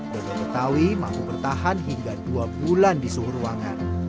dodol betawi mampu bertahan hingga dua bulan di suhu ruangan